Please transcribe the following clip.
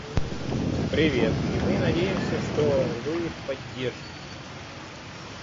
И мы надеемся, что вы их поддержите.